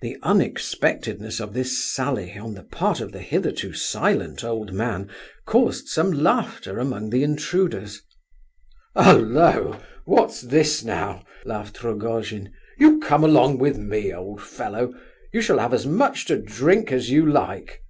The unexpectedness of this sally on the part of the hitherto silent old man caused some laughter among the intruders. "Halloa! what's this now?" laughed Rogojin. "You come along with me, old fellow! You shall have as much to drink as you like."